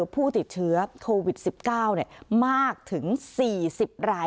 ผู้ติดเชื้อโควิด๑๙มากถึง๔๐ราย